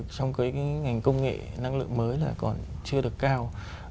trong cái ngành công nghệ năng lượng mới là còn chưa được cao